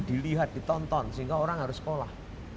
dilihat ditonton sehingga orang harus sekolah